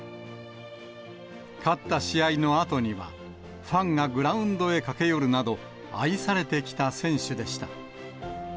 勝った試合のあとには、ファンがグラウンドへ駆け寄るなど、愛されてきた選手でした。